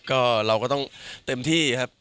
ก็เราก็ต้องเต็มที่ครับ